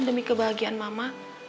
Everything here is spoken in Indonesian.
demi kebahagiaan mama